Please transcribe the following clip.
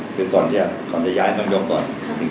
คือก่อนนี้ก่อนจะย้ายน้องยกก่อน